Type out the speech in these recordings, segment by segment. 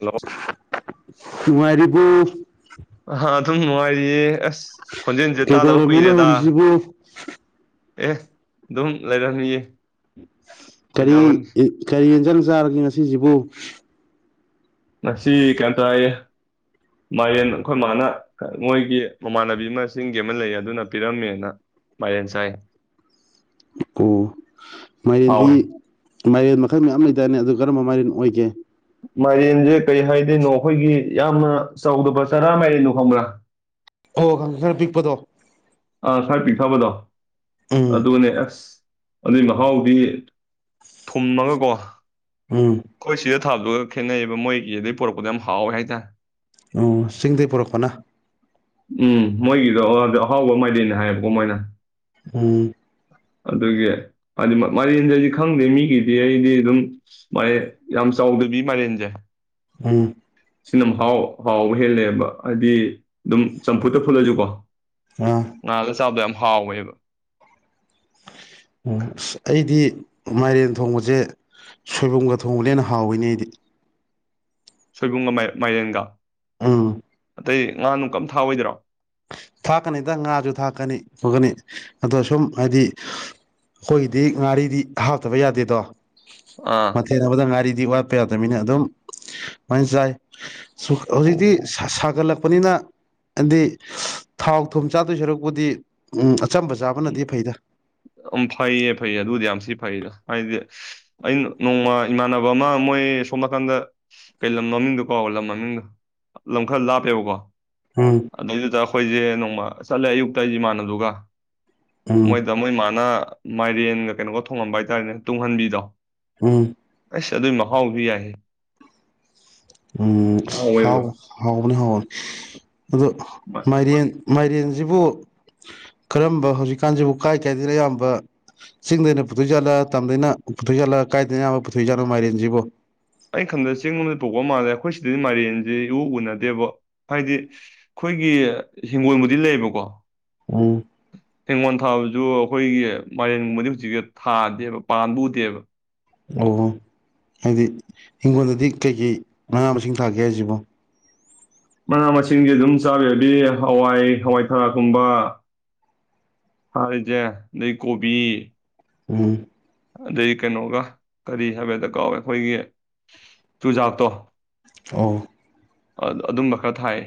hello ꯅꯨꯡꯉꯥꯢꯔꯤꯕꯣ ꯍꯥꯥ ꯑꯗꯨꯝ ꯃꯅꯨꯡꯉꯥꯏꯔꯤꯌꯦ ꯑꯁ ꯈꯣꯟꯖꯦꯜꯁꯦ ꯇꯥꯗꯕ ꯀꯩꯗꯧꯔꯝꯃꯤꯅꯣ ꯀꯨꯏꯔꯦꯗ ꯍꯧꯖꯤꯛꯁꯤꯕꯨ ꯑꯦ ꯑꯗꯨꯝ ꯂꯩꯔꯝꯃꯤꯌꯦ ꯀꯔꯤ ꯀꯩꯗꯧꯔꯨꯅꯤ ꯀꯔꯤ ꯖꯥꯡ ꯆꯥꯔꯒꯦ ꯉꯁꯤꯁꯤꯕꯨ ꯉꯁꯤ ꯀꯩꯝꯇꯥꯏ ꯃꯥꯏꯔꯦꯟ ꯑꯈꯣꯏ ꯃꯥꯅ ꯃꯣꯏꯒꯤ ꯃꯃꯥꯟꯅꯕꯤ ꯑꯃ ꯆꯤꯡꯒꯤ ꯑꯃ ꯂꯩ ꯑꯗꯨꯅ ꯄꯤꯔꯝꯃꯦꯅ ꯃꯥꯏꯔꯦꯟ ꯆꯥꯏ ꯑꯣ ꯃꯥꯏꯔꯦꯟꯗꯤ ꯍꯥꯎꯋꯤ ꯃꯥꯏꯔꯦꯟ ꯃꯈꯜ ꯃꯌꯥꯝ ꯂꯩꯗꯥꯏꯅꯦ ꯑꯗꯨ ꯀꯔꯝꯕ ꯃꯥꯏꯔꯦꯟ ꯑꯣꯏꯒꯦ ꯃꯥꯏꯔꯦꯟꯁꯦ ꯀꯔꯤ ꯍꯥꯏꯗꯣꯏꯅꯣ ꯑꯈꯣꯏꯒꯤ ꯌꯥꯝꯅ ꯆꯥꯎꯗꯕ ꯆꯔꯥ ꯃꯥꯏꯔꯦꯟꯗꯣ ꯈꯪꯕ꯭ꯔꯥ ꯑꯣ ꯈꯪ ꯈꯔ ꯄꯤꯛꯄꯗꯣ ꯑꯥ ꯈꯔ ꯄꯤꯛꯊꯕꯗꯣ ꯎꯝ ꯑꯗꯨꯅꯦ ꯑꯁ ꯑꯗꯨꯏ ꯃꯍꯥꯎꯗꯤ ꯊꯨꯝꯃꯒꯀꯣ ꯎꯝ ꯁꯤꯗ ꯊꯥꯕꯗꯨꯒ ꯈꯦꯠꯅꯩꯑꯕ ꯃꯣꯏꯒꯤ ꯑꯗꯩ ꯄꯨꯣꯔꯛꯄꯗ ꯌꯥꯝ ꯍꯥꯎꯋꯦ ꯍꯥꯏꯇꯥꯔꯦ ꯑꯣ ꯆꯤꯡꯗꯩ ꯄꯨꯔꯛꯄꯅ ꯎꯝ ꯃꯣꯏꯒꯤꯗꯣ ꯑꯍꯥꯎꯕ ꯃꯥꯏꯔꯦꯟꯅꯥ ꯍꯥꯏꯌꯦꯕꯀꯣ ꯃꯣꯏꯅ ꯎꯝ ꯑꯗꯨꯒꯤ ꯍꯥꯏꯗꯤ ꯃꯥꯏꯔꯦꯟꯁꯦ ꯑꯩꯗꯤ ꯈꯪꯗꯦ ꯃꯤꯒꯤꯗꯤ ꯑꯩꯗꯤ ꯑꯗꯨꯝ ꯃꯥꯏꯔꯦꯟ ꯌꯥꯝ ꯆꯥꯎꯗꯕꯤ ꯃꯥꯏꯔꯦꯟꯖꯦ ꯎꯝ ꯁꯤ ꯅꯝ ꯍꯥꯎ ꯍꯥꯎꯕ ꯍꯦꯜꯂꯦꯕ ꯍꯥꯏꯗꯤ ꯑꯗꯨꯝ ꯆꯝꯐꯨꯠꯇ ꯐꯨꯠꯂꯁꯨꯀꯣ ꯑꯥ ꯉꯥꯜꯂꯒ ꯆꯥꯕ ꯍꯥꯎꯋꯦꯕ ꯑꯣ ꯑꯁ ꯑꯩꯗꯤ ꯃꯥꯏꯔꯦꯟ ꯊꯣꯡꯕꯁꯦ ꯁꯣꯏꯕꯨꯝꯒ ꯊꯣꯡꯕꯅ ꯍꯦꯟꯅ ꯍꯥꯎꯋꯤꯅꯦ ꯑꯩꯗꯤ ꯁꯣꯏꯕꯨꯝꯒ ꯃꯥꯏꯔꯦꯟꯒ ꯑ ꯑꯇꯩ ꯉꯥ ꯅꯨꯡ ꯀꯩꯝ ꯊꯥꯛꯑꯣꯏꯗ꯭ꯔꯣ ꯊꯥꯛꯀꯅꯤꯗ ꯉꯥꯁꯨ ꯊꯥꯛꯀꯅꯤ ꯈꯣꯠꯀꯅꯤ ꯑꯗꯣ ꯁꯨꯝ ꯍꯥꯏꯗꯤ ꯑꯈꯣꯏꯒꯤꯗꯤ ꯉꯥꯔꯤꯗꯤ ꯍꯥꯞꯇꯕ ꯌꯥꯗꯦꯗꯣ ꯑꯥ ꯃꯊꯦꯟ ꯑꯃꯗ ꯉꯥꯔꯤ ꯗꯤ ꯋꯥꯠꯄ ꯌꯥꯗꯕꯅꯤꯅ ꯑꯗꯨꯝ ꯃꯥꯏꯅ ꯆꯥꯏ ꯍꯧꯖꯤꯛꯇꯤ ꯑꯣ ꯁꯥꯒꯠꯂꯛꯄ ꯄꯅꯤꯅ ꯍꯥꯏꯗꯤ ꯊꯥꯎ ꯊꯨꯝ ꯆꯥꯗꯣꯏ ꯁꯔꯛꯄꯨꯗꯤ ꯎꯝ ꯑꯆꯝꯕ ꯆꯥꯕꯅꯗꯤ ꯐꯩꯗ ꯎꯝ ꯐꯩꯌꯦ ꯐꯩꯌꯦ ꯑꯗꯨꯗꯤ ꯌꯥꯝ ꯊꯤ ꯐꯩꯗ ꯍꯥꯏꯗꯤ ꯑꯩꯅ ꯅꯣꯡꯃ ꯏꯃꯥꯟꯅꯕ ꯑꯃ ꯃꯣꯏ ꯁꯣꯝ ꯅꯥꯀꯟꯗ ꯀꯩ ꯂꯝ ꯃꯃꯤꯡꯗꯣ ꯀꯥꯎꯕ ꯂꯝ ꯃꯃꯤꯡꯗꯣ ꯂꯝ ꯈꯔ ꯂꯥꯞꯄꯦꯕꯀꯣ ꯎꯝ ꯑꯗꯨꯗꯩꯗꯨꯗ ꯑꯩꯈꯣꯏꯖꯦ ꯅꯣꯡꯃ ꯆꯠꯂꯦ ꯑꯌꯨꯛꯇ ꯏꯃꯥꯟꯅꯕꯗꯨꯒ ꯎꯝ ꯃꯣꯏꯗꯃꯣꯏ ꯃꯥ ꯃꯥꯏꯔꯦꯟꯒ ꯀꯩꯅꯣꯒ ꯊꯣꯡꯉꯝꯕ ꯍꯥꯏꯇꯥꯔꯅꯦ ꯇꯨꯡꯍꯟꯕꯤꯗꯣ ꯑꯝ ꯑꯁ ꯑꯗꯨꯏ ꯃꯍꯥꯎꯗꯤ ꯌꯥꯏꯍꯦ ꯎꯝ ꯑꯁ ꯍꯥꯎ ꯍꯥꯎꯋꯦꯕ ꯍꯥꯎꯕꯅꯤ ꯍꯥꯎꯕꯅꯤ ꯑꯗꯨ ꯃ- ꯃꯥꯏꯔꯦꯟ ꯃꯥꯏꯔꯦꯟꯁꯤꯕꯨ ꯀꯔꯝꯕ ꯍꯧꯖꯤꯛꯀꯥꯟꯁꯤꯕꯨ ꯀꯥꯏ ꯀꯥꯏꯗꯅ ꯑꯌꯥꯝꯕ ꯆꯤꯡꯗꯩꯅ ꯄꯨꯊꯣꯛꯏꯖꯥꯠꯂ ꯇꯝꯗꯩꯅ ꯄꯨꯊꯣꯛꯏꯖꯥꯠꯂ ꯀꯥꯏꯗꯅ ꯄꯨꯊꯣꯛꯏꯖꯥꯠꯅꯣ ꯃꯥꯏꯔꯦꯟꯁꯤꯕꯨ ꯑꯩ ꯈꯪꯗꯦ ꯆꯤꯡ ꯃꯅꯨꯡꯗ ꯇꯥꯕꯥ ꯃꯥꯜꯂꯦ ꯑꯩꯈꯣꯏ ꯁꯤꯗꯗꯤ ꯃꯥꯏꯔꯦꯟꯁꯦ ꯏꯎ ꯎꯅꯗꯦꯕ ꯍꯥꯏꯗꯤ ꯑꯩꯈꯣꯏꯒꯤ ꯍꯤꯡꯒꯣꯜꯕꯨꯗꯤ ꯂꯩꯕꯀꯣ ꯎꯝ ꯍꯦꯡꯒꯣꯜ ꯊꯥꯕꯁꯨ ꯑꯩꯈꯣꯏꯒꯤ ꯃꯥꯏꯔꯦꯟꯒꯨꯝꯕꯗꯤ ꯍꯧꯖꯤꯛꯁ ꯊꯥꯗꯦꯕ ꯄꯥꯟꯕ ꯎꯗꯦꯕ ꯑꯣꯍꯣ ꯍꯥꯏꯗꯤ ꯍꯤꯡꯈꯣꯜꯗꯗꯤ ꯀꯩꯀꯩ ꯃꯅꯥ ꯃꯁꯤꯡ ꯊꯥꯒꯦ ꯍꯥꯏꯁꯤꯕꯣ ꯃꯅꯥ ꯃꯁꯤꯡꯁꯤ ꯑꯗꯨꯝ ꯆꯥꯅꯕꯗꯤ ꯍꯋꯥꯏ ꯍꯋꯥꯏꯊꯔꯥꯛꯀꯨꯝꯕ ꯊꯔꯤꯁꯦ ꯑꯗꯩ ꯀꯣꯕꯤ ꯎꯝ ꯑꯗꯩ ꯀꯩꯅꯣꯒ ꯀꯔꯤ ꯍꯥꯏꯕꯗ ꯀꯥꯎꯋꯦ ꯑꯩꯈꯣꯏꯒꯤ ꯇꯨꯖꯥꯛꯇꯣ ꯑꯣ ꯑꯗꯨꯝꯕ ꯈꯔ ꯊꯥꯏ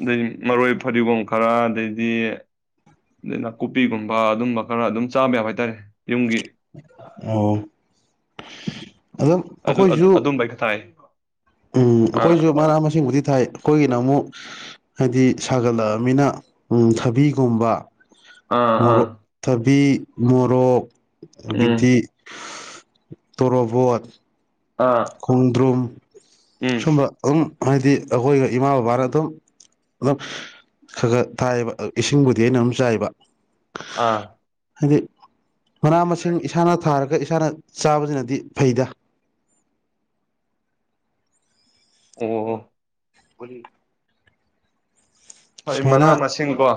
ꯑꯗꯩ ꯃꯔꯣꯏ ꯐꯗꯤꯒꯣꯝ ꯈꯔ ꯑꯗꯩꯗꯤ ꯑꯗꯩ ꯅꯥꯀꯨꯞꯄꯤꯒꯨꯝꯕ ꯑꯗꯨꯝꯕ ꯈꯔ ꯑꯗꯨꯝ ꯆꯥꯕ ꯌꯥꯕ ꯍꯥꯏꯇꯥꯔꯦ ꯌꯨꯝꯒꯤ ꯑꯣ ꯑꯗꯨꯝ ꯑꯩꯈꯣꯏꯁꯨ ꯑꯗꯨꯝꯕ ꯑꯩ ꯈ ꯊꯥꯏ ꯎꯝ ꯑꯥ ꯑꯩꯈꯣꯏꯁꯨ ꯃꯅꯥ ꯃꯁꯤꯡꯕꯨꯗꯤ ꯊꯥꯏ ꯑꯩꯈꯣꯏꯒꯤꯅ ꯑꯃꯨꯛ ꯍꯥꯏꯗꯤ ꯁꯥꯒꯠꯂꯛꯑꯃꯤꯅ ꯊꯕꯤꯒꯨꯝꯕ ꯑꯥ ꯑꯥ ꯃꯣꯔꯣꯛ ꯊꯕꯤ ꯃꯣꯔꯣꯛ ꯎꯝ ꯑꯗꯥꯗꯤ ꯇꯣꯔꯣꯕꯣꯠ ꯑꯥ ꯈꯣꯡꯗ꯭ꯔꯨꯝ ꯎꯝ ꯁꯨꯝꯕ ꯎꯝ ꯍꯥꯏꯗꯤ ꯑꯩꯈꯣꯏꯒ ꯏꯃꯥ ꯕꯕꯥꯅ ꯑꯗꯨꯝ ꯑꯗꯨꯝ ꯈꯔ ꯈꯔ ꯊꯥꯏꯕ ꯏꯁꯤꯡꯕꯨꯗꯤ ꯑꯩꯅ ꯑꯝ ꯆꯥꯏꯕ ꯑꯥ ꯍꯥꯏꯗꯤ ꯃꯅꯥ ꯃꯁꯤꯡ ꯏꯁꯥꯅ ꯊꯥꯔ ꯀ ꯏꯁꯥꯅ ꯆꯥꯕꯁꯤꯅꯗꯤ ꯐꯩꯗ ꯑꯣ ꯍꯣꯏ ꯁꯨꯃꯥꯏꯅ ꯃꯅꯥ ꯃꯁꯤꯡ ꯀꯣ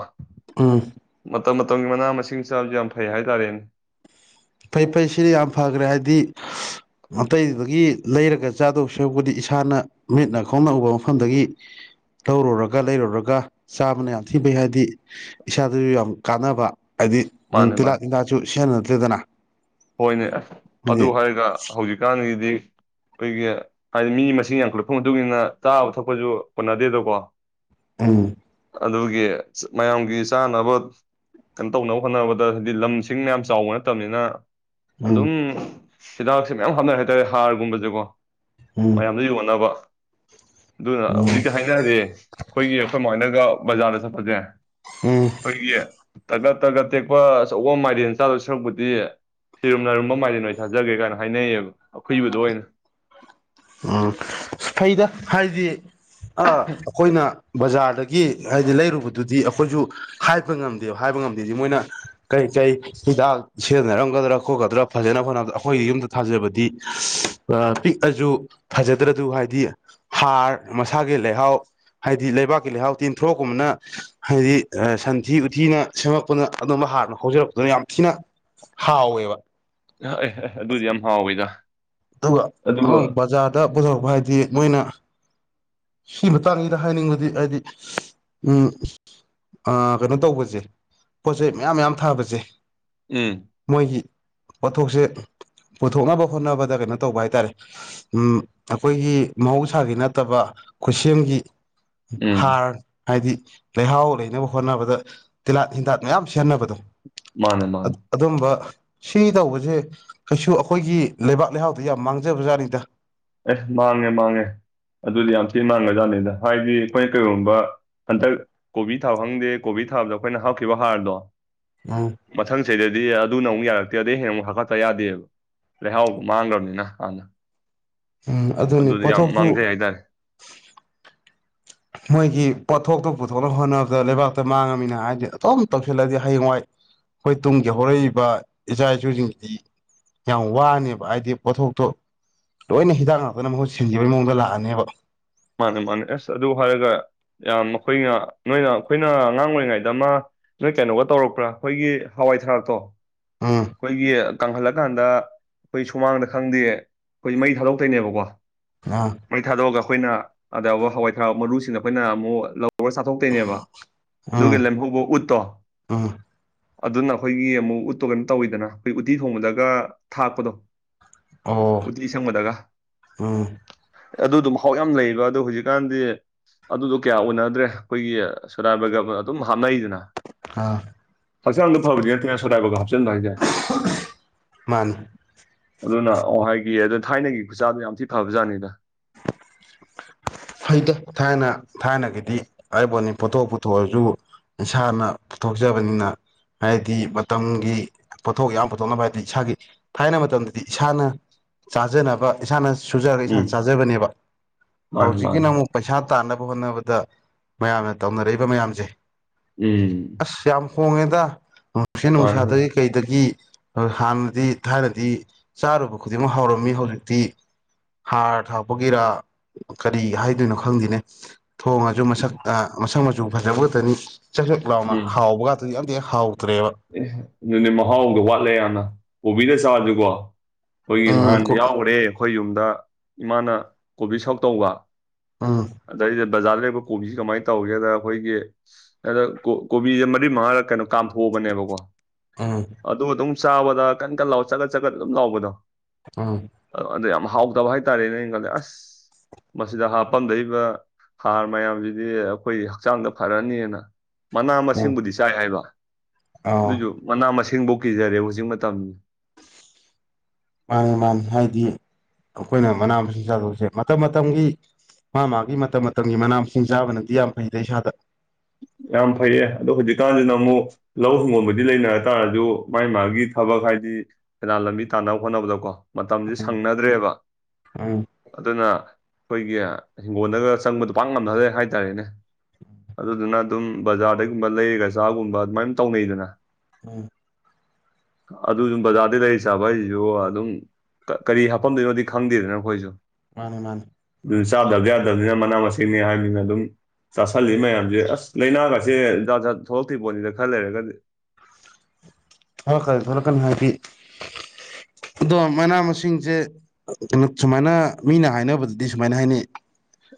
ꯎꯝ ꯃꯇꯝ ꯃꯇꯝꯒꯤ ꯃꯅꯥ ꯃꯁꯤꯡ ꯆꯥꯕꯁꯨ ꯌꯥꯝ ꯐꯩ ꯍꯥꯏꯇꯥꯔꯦꯅꯦ ꯐꯩ ꯐꯩ ꯁꯤꯗꯤ ꯌꯥꯝ ꯐꯈ꯭ꯔꯦ ꯍꯥꯏꯗꯤ ꯑꯇꯩꯗꯒꯤ ꯂꯩꯔꯒ ꯆꯥꯗꯧ ꯁꯔꯨꯛꯄꯨꯗꯤ ꯏꯁꯥꯅ ꯃꯤꯠꯅ ꯈꯣꯡꯅ ꯎꯕ ꯃꯐꯝꯗꯒꯤ ꯂꯧꯔꯨꯔꯒ ꯂꯩꯔꯨꯔꯒ ꯆꯥꯕꯅ ꯌꯥꯝ ꯊꯤ ꯎꯝ, ꯐꯩ ꯍꯥꯏꯗꯤ ꯏꯁꯥꯗꯁꯨ ꯌꯥꯝ ꯀꯥꯟꯅꯕ ꯍꯥꯏꯗꯤ ꯃꯥꯅꯦ ꯇꯤꯜꯍꯥ ꯃꯥꯅꯦ ꯍꯤꯗꯥꯛꯁꯨ ꯁꯦꯟꯅꯗ ꯗꯨꯗꯅ ꯍꯣꯏꯅꯦ ꯑꯁ ꯑꯗꯨ ꯍꯥꯏꯔꯒ ꯍꯧꯖꯤꯛꯀꯥꯟꯒꯤꯗꯤ ꯈꯣꯏꯒꯤ ꯍꯥꯏꯗꯤ ꯃꯤ ꯃꯁꯤꯡ ꯌꯥꯝꯈꯠꯂꯛꯄ ꯃꯇꯨꯡꯏꯟꯅ ꯆꯥꯕ ꯊꯛꯄꯁꯨ ꯀꯣꯟꯅꯗꯦꯗꯣꯀꯣ ꯎꯝ ꯑꯗꯨꯒꯤ ꯃꯌꯥꯝꯒꯤ ꯆꯥꯅꯕ ꯀꯩꯅꯣ ꯇꯧꯅꯕ ꯍꯣꯠꯅꯕꯗ ꯍꯥꯏꯗꯤ ꯂꯝꯁꯤꯡ ꯌꯥꯝ ꯆꯥꯎꯕ ꯅꯠꯇꯕꯅꯤꯅ ꯎꯝ ꯑꯗꯨꯝ ꯍꯤꯗꯥꯛꯁꯦ ꯃꯌꯥꯝ ꯍꯥꯞꯅꯔꯦ ꯍꯥꯏꯇꯥꯔꯦ ꯍꯥꯔꯒꯨꯝꯕꯁꯦꯀꯣ ꯎꯝ ꯃꯌꯥꯝꯗ ꯌꯣꯟꯅꯕ ꯑꯗꯨꯅ ꯎꯝ ꯍꯧꯖꯤꯛꯇꯤ ꯍꯥꯏꯅꯔꯦ ꯑꯩꯈꯣꯏꯒꯤ ꯈꯣꯏꯃꯥ ꯍꯣꯏꯅꯒ ꯕꯖꯥꯔꯗ ꯆꯠꯄꯁꯦ ꯎꯝ ꯈꯣꯏꯒꯤ ꯇꯒꯠ ꯇꯒꯠ ꯇꯦꯛꯄ ꯑꯆꯧꯕ ꯃꯥꯏꯔꯦꯟ ꯆꯥꯗꯣꯏ ꯁꯔꯨꯛꯄꯨꯗꯤ ꯁꯤꯔꯨꯝ ꯅꯔꯨꯝꯕ ꯃꯥꯏꯔꯦꯟ ꯑꯣꯏꯅ ꯆꯥꯖꯒꯦ ꯀꯥꯏꯅ ꯍꯥꯏꯅꯩꯌꯦꯕ ꯑꯈꯨꯏꯕꯗꯣ ꯑꯣꯏꯅ ꯎꯝ ꯐꯩꯗ ꯍꯥꯏꯗꯤ ꯑꯥ ꯑꯩꯈꯣꯏꯅ ꯕꯖꯥꯔꯗꯒꯤ ꯍꯥꯏꯗꯤ ꯂꯩꯔꯨꯕꯗꯨꯗꯤ ꯑꯩꯈꯣꯏꯁꯨ ꯍꯥꯏꯕ ꯉꯝꯗꯦꯕ ꯍꯥꯏꯕ ꯉꯝꯗꯦꯗꯤ ꯃꯣꯏꯅ ꯀꯔꯤ ꯀꯔꯤ ꯍꯤꯗꯥꯛ ꯁꯤꯖꯤꯟꯅꯔꯝꯒꯗ꯭ꯔꯥ ꯈꯣꯠꯀꯗ꯭ꯔꯥ ꯐꯖꯅꯕ ꯍꯣꯠꯅꯕꯗ ꯑꯩꯈꯣꯏꯒꯤ ꯌꯨꯝꯗ ꯊꯥꯖꯕꯗꯤ ꯑ ꯄꯤꯛꯑꯁꯨ ꯐꯖꯗ꯭ꯔꯗꯨ ꯍꯥꯏꯗꯤ ꯍꯥꯔ ꯃꯁꯥꯒꯤ ꯂꯩꯍꯥꯎ ꯍꯥꯏꯗꯤ ꯂꯩꯕꯥꯛꯀꯤ ꯂꯩꯍꯥꯎ ꯇꯦꯟꯊꯔ꯭ꫭꯛꯀꯨꯝꯕꯅ ꯍꯥꯏꯗꯤ ꯁꯟꯊꯤ ꯎꯊꯤꯅ ꯁꯦꯝꯃꯛꯄꯅ ꯑꯗꯨꯝꯕ ꯍꯥꯔꯅ ꯍꯧꯖꯔꯛꯄꯅ ꯌꯥꯝ ꯊꯤꯅ ꯍꯥꯎꯋꯦꯕ ꯑ ꯑꯗꯨꯗꯤ ꯌꯥꯝ ꯍꯥꯎꯋꯤꯗ ꯑꯗꯨꯒ ꯑꯗꯨꯒ ꯕꯖꯥꯔꯗ ꯄꯨꯊꯣꯔꯛꯄ ꯍꯥꯏꯗꯤ ꯃꯣꯏꯅ ꯁꯤ ꯃꯇꯥꯡꯁꯤꯗ ꯍꯥꯏꯅꯤꯡꯕꯗꯤ ꯍꯥꯏꯗꯤ ꯎꯝ ꯑ ꯀꯩꯅꯣ ꯇꯧꯕꯁꯦ ꯄꯣꯠꯆꯩ ꯃꯌꯥꯝ ꯃꯌꯥꯝ ꯊꯥꯕꯁꯦ ꯎꯝ ꯃꯣꯏꯒꯤ ꯄꯣꯠꯊꯣꯛꯁꯦ ꯄꯨꯊꯣꯛꯅꯕ ꯍꯣꯠꯅꯕꯗ ꯀꯩꯅꯣ ꯇꯧꯕ ꯍꯥꯏ ꯇꯥꯔꯦ ꯎꯝ ꯑꯩꯈꯣꯏꯒꯤ ꯃꯍꯧꯁꯥꯒꯤ ꯅꯠꯇꯕ ꯈꯨꯠꯁꯦꯝꯒꯤ ꯎꯝ ꯍꯥꯥꯔ ꯍꯥꯏꯗꯤ ꯂꯩꯍꯥꯎ ꯂꯩꯅꯕ ꯍꯣꯠꯅꯕꯗ ꯇꯤꯜꯍꯥꯠ ꯍꯤꯗꯥꯛ ꯃꯌꯥꯝ ꯁꯤꯖꯤꯟꯅꯕꯗꯣ ꯃꯥꯅꯦ ꯑ ꯃꯥꯅꯦ ꯑꯗꯨꯝꯕ ꯁꯤ ꯇꯧꯕꯁꯦ ꯀꯩꯁꯨ ꯑꯩꯈꯣꯏꯒꯤ ꯂꯩꯕꯥꯛ ꯂꯩꯍꯥꯎꯗ ꯌꯥꯝ ꯃꯥꯡꯖꯕꯖꯥꯠꯅꯤꯗ ꯑꯦꯁ ꯃꯥꯡꯉꯦ ꯃꯥꯡꯉꯦ ꯑꯗꯨꯗꯤ ꯌꯥꯝ ꯊꯤꯅ ꯃꯥꯡꯒꯔ꯭ꯖꯥꯠꯅꯤꯗ ꯍꯥꯏꯗꯤ ꯑꯩꯈꯣꯏꯅ ꯀꯩꯒꯨꯝꯕ ꯍꯟꯗꯛ ꯀꯣꯕꯤ ꯊꯥꯕ ꯈꯪꯗꯦ ꯀꯣꯕꯤ ꯊꯥꯕꯗ ꯑꯩꯈꯣꯏꯅ ꯍꯥꯞꯈꯤꯕ ꯍꯥꯔꯗꯣ ꯎꯝ ꯃꯊꯪ ꯆꯍꯤꯗꯗꯤ ꯑꯗꯨꯅ ꯑꯃꯨꯛ ꯑꯃꯨꯛ ꯌꯥꯔꯛꯇꯦ ꯑꯗꯩ ꯍꯌꯦꯡ ꯑꯃꯨꯛ ꯍꯥꯞꯀꯠꯇ ꯌꯥꯗꯦꯕ ꯂꯩꯍꯥꯎ ꯃꯥꯡꯈ꯭ꯔꯕꯅꯤꯅ ꯍꯥꯟꯅ ꯎꯝ ꯑꯗꯨꯅꯤ ꯑꯗꯨꯗꯤ ꯌꯥꯝ ꯄꯣꯠꯊꯣꯛꯁꯨ ꯃꯥꯡꯖꯩ ꯍꯥꯏꯇꯥꯔꯦ ꯃꯣꯏꯒꯤ ꯄꯣꯠꯊꯣꯛꯇꯣ ꯄꯨꯊꯣꯛꯅꯕ ꯍꯣꯠꯅꯕꯗ ꯂꯩꯕꯥꯛꯇ ꯃꯥꯡꯉꯕꯅꯤꯅ ꯍꯥꯏꯗꯤ ꯑꯗꯨꯝ ꯇꯧꯁꯤꯜꯂꯗꯤ ꯍꯌꯦꯡꯋꯥꯏ ꯑꯩꯈꯣꯏ ꯇꯨꯡꯒꯤ ꯍꯧꯔꯛꯏꯕ ꯏꯆꯥ ꯏꯁꯨꯁꯤꯡꯒꯤꯗꯤ ꯌꯥꯝ ꯋꯥꯅꯦꯕ ꯍꯥꯏꯕꯗꯤ ꯄꯣꯠꯊꯣꯛꯇꯣ ꯂꯣꯏꯅ ꯍꯤꯗꯥꯛ ꯉꯥꯛꯇꯅ ꯃꯍꯨꯠ ꯁꯤꯟꯒꯤꯕꯩ ꯃꯋꫭꯡꯗ ꯂꯥꯛꯑꯅꯦꯕ ꯃꯥꯅꯦ ꯃꯥꯅꯦ ꯑꯁ ꯑꯗꯨ ꯍꯥꯏꯔꯒ ꯌꯥꯝ ꯑꯩꯈꯣꯏꯅ ꯅꯣꯏꯅ ꯑꯩꯈꯣꯏꯅ ꯑꯉꯥꯡ ꯑꯣꯏꯔꯤꯉꯩꯗ ꯑꯃ ꯅꯣꯏ ꯀꯩꯅꯣꯒ ꯇꯧꯔꯛꯄ꯭ꯔꯥ ꯑꯩꯈꯣꯏꯒꯤ ꯍꯋꯥꯏ ꯊꯔꯥꯛꯇꯣ ꯎꯝ ꯑꯩꯈꯣꯏꯒꯤ ꯀꯪꯍꯜꯂꯀꯥꯟꯗ ꯑꯩꯈꯣꯏ ꯁꯨꯃꯥꯡꯗ ꯈꯪꯗꯦ ꯑꯩꯈꯣꯏ ꯃꯩ ꯊꯥꯗꯣꯛꯇꯣꯏꯅꯦꯕꯀꯣ ꯑꯥ ꯃꯩ ꯊꯥꯗꯣꯛꯑꯒ ꯑꯩꯈꯣꯏꯅ ꯑꯗ ꯌꯥꯎꯕ ꯍꯋꯥꯏ ꯊꯔꯥꯛ ꯃꯔꯨꯁꯤꯡ ꯑꯩꯈꯣꯏꯅ ꯑꯃꯨꯛ ꯂꯧ ꯂꯧꯔ ꯆꯥꯊꯣꯛꯇꯣꯏꯅꯦꯕ ꯑꯗꯨꯒꯤ ꯎꯝ ꯂꯦꯝꯍꯧꯕ ꯎꯠꯇꯣ ꯎꯝ ꯑꯗꯨꯅ ꯑꯩꯈꯣꯏꯒꯤ ꯑꯃꯨꯛ ꯎꯠꯇꯣ ꯀꯩꯅꯣ ꯇꯧꯋꯤꯗꯅ ꯑꯩꯈꯣꯏ ꯎꯠꯇꯤ ꯊꯣꯡꯕꯗꯒ ꯊꯥꯛꯄꯗꯣ ꯑꯧ ꯎꯇꯤ ꯎꯝ ꯑꯗꯨ ꯑꯗꯨꯝ ꯍꯧꯥꯎꯛ ꯌꯥꯝ ꯂꯩ ꯑ ꯍꯧꯖꯤꯛꯀꯥꯟꯗꯤ ꯑꯗꯨꯗꯣ ꯀꯌꯥ ꯎꯅꯗ꯭ꯔꯦ ꯑꯩꯈꯣꯏꯒꯤ ꯁꯨꯔꯥꯏꯕꯒ ꯑꯗꯨꯝ ꯍꯥꯞꯅꯩꯗꯅ ꯑꯥ ꯐꯁꯒ ꯐꯕꯗ ꯊꯌꯥ ꯁꯗꯥꯕ ꯍꯥꯞ ꯆ ꯃꯥꯅꯤ ꯍ ꯑꯗꯨꯅ ꯑꯣ ꯍꯥꯏꯒꯤꯌꯦ ꯑꯗꯨꯅ ꯊꯥꯏꯅꯒꯤ ꯈꯨꯆꯥꯗꯨꯣ ꯌꯥꯝ ꯊꯤ ꯐꯕ ꯖꯥꯠꯅꯤꯗ ꯍꯗ ꯊꯥꯏꯅ ꯊꯥꯏꯅꯒꯤꯗꯤ ꯍꯥꯏꯔꯤꯕꯣꯠꯅꯤ ꯄꯣꯠꯊꯣꯛ ꯄꯨꯊꯣꯛꯑꯁꯨ ꯏꯁꯥꯅ ꯄꯨꯊꯣꯛꯆꯕꯅꯤꯅ ꯍꯥꯏꯗꯤ ꯃꯇꯝꯒꯤ ꯄꯣꯊꯣꯛ ꯌꯥꯝ ꯄꯨꯊꯣꯛꯅꯕ ꯍꯥꯏꯗꯤ ꯏꯁꯥꯒꯤ ꯊꯥꯏꯅ ꯃꯇꯝꯗꯗꯤ ꯏꯁꯥꯅ ꯆꯥꯖꯅꯕ ꯏꯁꯥꯅ ꯁꯨꯖꯔꯒ ꯏꯁꯥꯅ ꯎꯝ ꯆꯥꯖꯕꯅꯦꯕ ꯃꯥꯅꯤ ꯍꯧꯖꯤꯛꯀꯤꯅ ꯃꯥꯅꯤ ꯑꯃꯨꯛ ꯄꯩꯁꯥ ꯇꯥꯅꯕ ꯍꯣꯠꯅꯕꯗ ꯃꯌꯥꯝꯅ ꯇꯧꯅꯔꯛꯏꯕ ꯃꯌꯥꯝꯁꯦ ꯎꯝ ꯑꯁ ꯌꯥꯝ ꯍꯣꯡꯉꯦꯗ ꯅꯨꯡꯁꯦ ꯃꯥꯅꯤ ꯎꯝ ꯅꯨꯡꯁꯥꯗꯒꯤ ꯀꯩꯗꯒꯤ ꯍꯥꯟꯅꯗꯤ ꯊꯥꯏꯅꯗꯤ ꯆꯥꯔꯨꯕ ꯈꯨꯗꯤꯡꯃꯛ ꯍꯧꯔꯝꯃꯤ ꯍꯧꯖꯤꯛꯇꯤ ꯍꯥꯔ ꯊꯥꯛꯄꯒꯤꯔꯥ ꯀꯔꯤ ꯍꯥꯏꯗꯣꯏꯅꯣ ꯈꯪꯗꯅꯦ ꯊꯣꯡꯉꯁꯨ ꯃꯁꯛ ꯃꯁꯛ ꯌꯧ ꯐꯖꯑꯒꯗꯅꯤ ꯆꯥꯛꯁꯨꯛ ꯂꯥꯎꯅ ꯍꯥꯎꯕꯒꯥꯛꯇꯗꯤ ꯌꯥꯝꯗꯦ ꯍꯥꯎ ꯑꯦ ꯑꯗꯨꯗꯤ ꯃꯍꯥꯎꯗꯣ ꯋꯥꯠꯂꯦ ꯌꯥꯝꯅ ꯑꯣꯕꯤꯗ ꯁꯋꯥ ꯆꯒꯣ ꯑꯩꯈꯣꯏꯒꯤ ꯎꯝ ꯅꯍꯥꯟ ꯌꯥꯎꯈ꯭ꯔꯦ ꯑꯩꯈꯣꯏ ꯌꯨꯝ ꯑ ꯗ ꯏꯃꯥꯅ ꯀꯣꯕꯤ ꯁꯛ ꯇꯧꯕ ꯎꯝ ꯑꯗꯩꯗ ꯕꯖꯥꯔꯗ ꯂꯩꯕ ꯀꯣꯕꯤꯁꯦ ꯀꯃꯥꯏꯅ ꯇꯧꯒꯦꯗ ꯑꯩꯈꯣꯏꯒꯤ ꯑꯗ ꯀꯣꯕꯤꯁꯦ ꯃꯔꯤ ꯃꯉꯥꯔ ꯀꯩꯅꯣ ꯀꯥꯝꯊꯣꯛ ꯄꯅꯦꯕꯀꯣ ꯎꯝ ꯑꯗꯣ ꯑꯗꯨ ꯆꯥꯕꯗ ꯀꯟ ꯀꯟ ꯂꯥꯎꯑꯣ ꯆꯠꯒꯠ ꯆꯠꯒꯠ ꯑꯗꯨꯝ ꯂꯥꯎꯕꯗꯣ ꯎꯝ ꯗ ꯌꯥꯝꯃ ꯍꯥꯎꯇꯕ ꯍꯥꯏꯇꯥꯔꯦꯅꯦ ꯈꯜꯂꯦ ꯑꯁ ꯃꯁꯤꯗ ꯍꯥꯞꯐꯝꯝꯗꯏꯕ ꯍꯥꯔ ꯃꯌꯥꯝꯁꯤꯗꯤ ꯑꯩꯈꯣꯏ ꯍꯛꯆꯥꯡꯗ ꯐꯔꯅꯤꯅ ꯃꯅꯥ ꯎꯝ ꯃꯁꯤꯡꯕꯨꯗꯤ ꯆꯥꯏ ꯍꯥꯏꯕ ꯑꯥ ꯗꯥꯎꯖꯨ ꯃꯅꯥ ꯑꯁꯤꯡ ꯊꯦꯡꯗꯣꯛꯀꯤꯖꯔꯦ ꯍꯧꯖꯤꯛ ꯃꯇꯝ ꯃꯥꯅꯤ ꯃꯥꯅꯤ ꯍꯥꯏꯗꯤ ꯑꯩꯈꯣꯏꯅ ꯃꯅꯥ ꯃꯁꯤꯡ ꯆꯥꯗꯕꯁꯦ ꯃꯇꯝ ꯃꯇꯝꯒꯤ ꯃꯥ ꯃꯥꯒꯤ ꯃꯇꯝ ꯃꯇꯝꯒꯤ ꯃꯅꯥ ꯃꯁꯤꯡ ꯆꯥꯕꯅꯗꯤ ꯌꯥꯝ ꯐꯩꯗ ꯏꯁꯥꯗ ꯌꯥꯝ ꯐꯩꯌꯦ ꯑꯗꯣ ꯍꯧꯖꯤꯛꯀꯥꯟꯁꯤꯅ ꯑꯃꯨꯛ ꯂꯧ ꯍꯤꯡꯒꯣꯕꯨꯗꯤ ꯂꯩꯅꯔ ꯇꯥꯔꯁꯨ ꯃꯥꯒꯤ ꯃꯥꯒꯤ ꯊꯕꯛ ꯍꯥꯏꯗꯤ ꯀꯅꯥꯟ ꯂꯝꯕꯤ ꯇꯥꯟꯅꯕ ꯈꯣꯠꯅꯕꯗꯀꯣ ꯃꯇꯝꯁꯦ ꯎꯝ ꯁꯪꯅꯗ꯭ꯔꯦꯕ ꯎꯝ ꯑꯗꯨꯅ ꯑꯩꯈꯣꯏꯒꯤ ꯍꯤꯡꯒꯣꯜꯗꯒ ꯆꯪꯕꯗꯨꯣ ꯄꯥꯛ ꯉꯝꯊꯗꯦ ꯍꯥꯏꯇꯥꯔꯦꯅꯦ ꯑꯗꯨꯗꯨꯅ ꯑꯗꯨꯝ ꯕꯖꯥꯔꯗꯩꯒꯨꯝꯕ ꯂꯩꯔꯒ ꯆꯥꯒꯨꯝꯕ ꯑꯗꯨꯃꯥꯏꯅ ꯇꯧꯅꯩꯗꯅ ꯎꯝ ꯑꯗꯨꯁꯨ ꯕꯖꯥꯔꯗ ꯂꯩꯔꯤ ꯆꯥꯕ ꯍꯥꯏꯁꯤꯁꯨ ꯑꯗꯨꯝ ꯀꯔꯤ ꯍꯥꯄꯝꯗꯣꯏꯅꯣꯗꯤ ꯈꯪꯗꯦꯗꯅ ꯑꯩꯈꯣꯏꯁꯨ ꯃꯥꯅꯤ ꯃꯥꯅꯤ ꯑꯗꯨ ꯆꯥꯗꯕ ꯌꯥꯗꯕꯅꯤꯅ ꯃꯅꯥ ꯃꯁꯤꯡꯅꯤ ꯍꯥꯏꯕꯅꯤꯅ ꯑꯗꯨꯝ ꯆꯥꯁꯜꯂꯤ ꯃꯌꯥꯝꯁꯦ ꯑꯁ ꯂꯥꯏꯅꯥꯒꯁꯦ ꯖꯠꯖꯠ ꯊꯣꯛꯂꯛꯇ꯭ꯔꯤꯕ ꯄꯣꯠꯅꯤꯗ ꯈꯔ ꯂꯩꯔꯒꯗꯤ ꯊꯣꯛꯂꯛꯀꯅꯤ ꯊꯣꯛꯂꯛꯀꯅꯤ ꯍꯥꯏꯗꯤ ꯑꯗꯣ ꯃꯅꯥ ꯃꯁꯤꯡꯁꯦ ꯀꯩꯅꯣ ꯁꯨꯃꯥꯏꯅ ꯃꯤꯅ ꯍꯥꯏꯅꯕꯗꯗꯤ ꯁꯨꯃꯥꯏꯅ ꯍꯥꯏꯅꯩ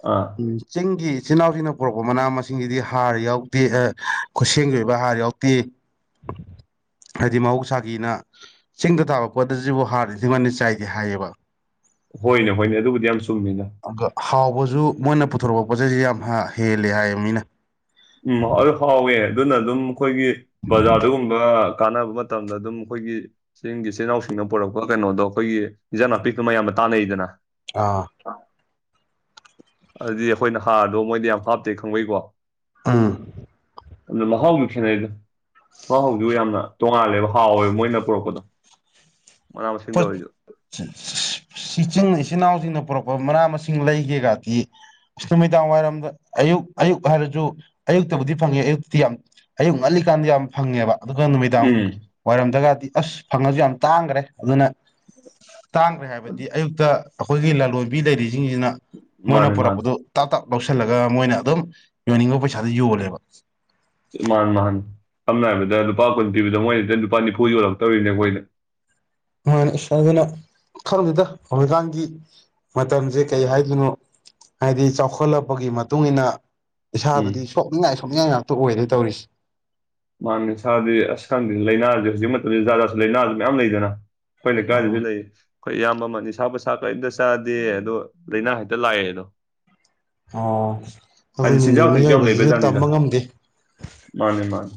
ꯑꯥ ꯎꯝ ꯆꯤꯡꯒꯤ ꯏꯆꯥꯟ ꯏꯅꯥꯎꯁꯤꯡꯅ ꯄꯨꯔꯛꯄ ꯃꯅꯥ ꯃꯁꯤꯡꯁꯤꯗꯤ ꯍꯥꯔ ꯌꯥꯎꯗꯦ ꯈꯨꯠꯁꯦꯝꯒꯤ ꯑꯣꯏꯕ ꯍꯥꯔ ꯌꯥꯎꯗꯦ ꯍꯥꯏꯗꯤ ꯃꯍꯧꯁꯥꯒꯤꯅ ꯆꯤꯡꯗ ꯊꯥꯕ ꯀꯣꯗꯁꯤꯕꯨ ꯍꯥꯔꯤꯗꯤꯉꯟꯅ ꯆꯥꯏꯗꯦ ꯍꯥꯏꯌꯦꯕ ꯍꯣꯏꯅꯦ ꯍꯣꯏꯅꯦ ꯑꯗꯨꯕꯨꯗꯤ ꯌꯥꯝ ꯆꯨꯝꯃꯤꯅ ꯑ ꯍꯥꯎꯕꯁꯨ ꯃꯣꯏꯅ ꯄꯨꯊꯣꯔꯛꯄ ꯄꯣꯠꯆꯩꯁꯦ ꯌꯥꯝ ꯍꯦꯜꯂꯦ ꯍꯥꯏꯌꯦꯕ ꯃꯤꯅ ꯎꯝ ꯍꯥꯎꯋꯦ ꯑꯗꯨꯅ ꯑꯗꯨꯝ ꯑꯩꯈꯣꯏꯒꯤ ꯕꯖꯥꯔꯗꯒꯨꯝꯕ ꯀꯥꯟꯅꯕ ꯃꯇꯝꯗ ꯑꯗꯨꯝ ꯑꯩꯈꯣꯏꯒꯤ ꯆꯤꯡꯒꯤ ꯏꯆꯤꯜ ꯏꯅꯥꯎꯁꯤꯡꯅ ꯄꯨꯔꯛꯄ ꯀꯩꯅꯣꯗꯣ ꯑꯩꯈꯣꯏꯒꯤ ꯏꯟꯖꯥꯡ ꯅꯥꯄꯤꯀꯣ ꯃꯌꯥꯝ ꯑꯃ ꯇꯥꯟꯅꯩꯗꯅ ꯑꯥ ꯑꯗꯨꯗꯤ ꯑꯩꯈꯣꯏꯅ ꯍꯥꯔꯗꯣ ꯃꯣꯏꯗꯤ ꯌꯥꯝ ꯍꯥꯞꯇꯦ ꯈꯪꯕꯩꯀꯣ ꯑꯥ ꯑꯗꯨꯅ ꯃꯍꯥꯎꯁꯨ ꯈꯦꯠꯅꯩꯗꯣ ꯃꯍꯥꯎꯗꯨ ꯌꯥꯝꯅ ꯇꯣꯉꯥꯜꯂꯦꯕ ꯍꯥꯎꯋꯦꯕ ꯃꯣꯏꯅ ꯄꯨꯔꯛꯄꯗꯣ ꯃꯅꯥ ꯃꯁꯤꯡꯗ ꯑꯣꯏꯔꯁꯨ [unintelligible] ꯁꯤꯆꯤꯡ ꯏꯆꯤꯜ ꯏꯅꯥꯎꯁꯤꯡꯅ ꯄꯨꯔꯛꯄ ꯃꯅꯥ ꯃꯁꯤꯡ ꯂꯩꯒꯦꯒꯗꯤ ꯑꯁ ꯅꯨꯃꯤꯗꯥꯡ ꯋꯥꯏꯔꯝꯗ ꯑꯌꯨꯛ ꯑꯌꯨꯛ ꯍꯥꯏꯔꯁꯨ ꯑꯌꯨꯛꯇꯕꯨꯗꯤ ꯐꯪꯉꯦ ꯑꯌꯨꯛꯇꯤ ꯌꯥꯝ ꯑꯌꯨꯛ ꯉꯜꯂꯤꯀꯥꯟꯗ ꯌꯥꯝ ꯐꯪꯉꯦꯕ ꯑꯗꯨꯒ ꯅꯨꯃꯤꯗꯥꯡ ꯎꯝ ꯋꯥꯏꯔꯝꯗꯒꯗꯤ ꯑꯁ ꯐꯪꯉꯁꯨ ꯌꯥꯝ ꯇꯥꯡꯈ꯭ꯔꯦ ꯑꯗꯨꯅ ꯇꯥꯡꯈ꯭ꯔꯦ ꯍꯥꯏꯕꯗꯤ ꯑꯌꯨꯛꯇ ꯑꯩꯈꯣꯏꯒꯤ ꯂꯥꯂꯣꯟꯕꯤ ꯂꯩꯔꯤꯁꯤꯡꯁꯤꯅ ꯃꯣꯏꯅ ꯃꯥꯅꯦ ꯃꯥꯅꯦ ꯄꯨꯔꯛꯄꯗꯨ ꯇꯥ ꯇꯞ ꯂꯧꯁꯤꯜꯂꯒ ꯃꯣꯏꯅ ꯑꯗꯨꯝ ꯌꯣꯟꯅꯤꯡꯕ ꯄꯩꯁꯥꯗꯨ ꯌꯣꯜꯂꯦꯕ ꯃꯥꯟꯅ‌ꯦ ꯃꯥꯥꯟꯅ‌ꯦ ꯁꯝꯅ ꯍꯥꯏꯔꯕꯗ ꯂꯨꯄꯥ ꯀꯨꯟ ꯄꯤꯕꯗ ꯃꯣꯏꯁꯤꯗ ꯂꯨꯄꯥ ꯅꯤꯐꯨ ꯌꯣꯜꯂꯛꯇꯧꯔꯤꯅꯦ ꯑꯩꯈꯣꯏꯅ ꯍꯣꯏ ꯑꯁ ꯑꯗꯨꯅ ꯈꯪꯗ‌ꯦꯗꯥ ꯍꯧꯖꯤꯛꯀꯥꯟꯒꯤ ꯃꯇꯝꯁꯦ ꯀꯩ ꯍꯥꯏꯗꯣꯏꯅꯣ ꯍꯥꯏꯗꯤ ꯆꯥꯎꯈꯠꯂꯛꯄꯒꯤ ꯃꯇꯨꯡ ꯏꯟꯅ ꯎꯝ ꯏꯁꯥꯕꯨꯗꯤ ꯁꯣꯛꯅꯤꯡꯉꯥꯏ ꯁꯣꯛꯅꯤꯡꯉꯥꯏ ꯉꯥꯏ ꯇ ꯑꯣꯏꯔꯦ ꯇꯧꯔꯤꯁꯦ ꯃꯥꯅꯦ ꯁꯥꯗꯤ ꯑꯁ ꯈꯪꯗ ꯂꯥꯏꯅꯥꯁꯦ ꯍꯧꯖꯤꯛ ꯃꯇꯝꯗ ꯖꯥꯖꯥꯠꯁꯨ ꯂꯩꯅꯥꯁꯨ ꯃꯌꯥꯝ ꯂꯩꯗꯅ ꯑꯩꯈꯣꯏ ꯂꯩꯀꯥꯏꯗꯁꯨ ꯂꯩ ꯑꯩꯈꯣꯏ ꯏꯌꯥꯝꯕ ꯑꯃ ꯅꯤꯁꯥ ꯄꯥꯁ ꯀꯔꯤꯝꯇ ꯆꯥꯗꯦ ꯑꯗꯣ ꯂꯥꯏꯅꯥ ꯍꯦꯛꯇ ꯂꯥꯛꯑꯦ ꯑꯗꯣ ꯑꯣ ꯍꯥꯏꯗꯤ ꯑꯗꯨꯅꯤꯅꯦ ꯆꯤꯟꯖꯥꯛꯇꯁꯨ ꯌꯥꯝ ꯃꯤꯑꯣꯏꯕꯁꯤꯁꯨ ꯂꯩꯕꯖꯥꯠꯅꯤꯗ ꯇꯝꯕ ꯉꯝꯗꯦ ꯃꯥꯅꯤ ꯃꯥꯅꯤ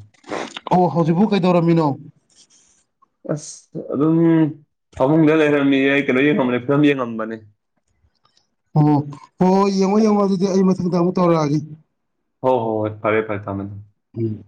ꯑꯣ ꯍꯧꯖꯤꯛꯄꯨ ꯀꯩꯗꯧꯔꯝꯃꯤꯅꯣ ꯑꯁ ꯑꯗꯨꯝ ꯐꯃꯨꯡꯗ ꯂꯩꯔꯝꯃꯤ ꯀꯩꯅꯣ ꯌꯦꯡꯉꯝꯕꯅꯤ ꯐꯤꯂꯝ ꯌꯦꯡꯉꯝꯕꯅꯤ ꯑꯣ ꯍꯣꯏ ꯍꯣꯏ ꯌꯦꯡꯉꯣ ꯌꯦꯡꯉꯣ ꯑꯗꯨꯗꯤ ꯑꯩ ꯃꯊꯪꯗ ꯑꯃꯨꯛ ꯇꯧꯔꯛꯑꯒꯦ ꯍꯣꯏ ꯍꯣꯏ ꯐꯔꯦ ꯐꯔꯦ ꯊꯝꯃ‌ꯦ ꯎꯝ